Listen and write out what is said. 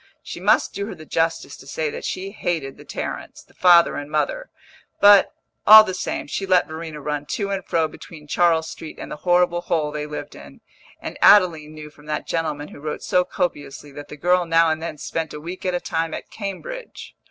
She must do her the justice to say that she hated the Tarrants, the father and mother; but, all the same, she let Verena run to and fro between Charles Street and the horrible hole they lived in, and Adeline knew from that gentleman who wrote so copiously that the girl now and then spent a week at a time at Cambridge.